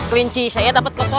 tak ada medicine yang berguna